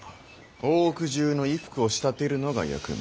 大奥中の衣服を仕立てるのが役目。